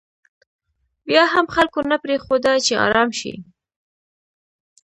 بیا هم خلکو نه پرېښوده چې ارام شي.